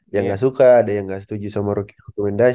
yang gak suka ada yang gak setuju sama rookie